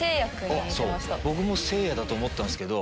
僕もせいやだと思ったんすけど。